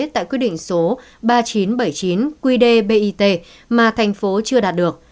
tại quyết định số ba nghìn chín trăm bảy mươi chín qdbit mà thành phố chưa đạt được